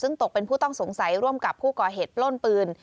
ซึ่งตกเป็นผู้ต้องสงสัยร่วมกับผู้ก่อเหตุปล้นปืน